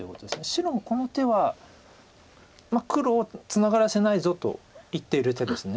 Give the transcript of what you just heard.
白もこの手は黒をツナがらせないぞと言っている手です。